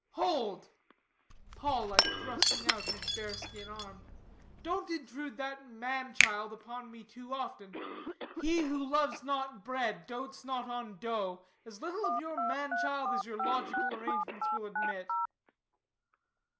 "Hold!" paw like thrusting put his bearskin arm, "don't intrude that man child upon me too often. He who loves not bread, dotes not on dough. As little of your man child as your logical arrangements will admit."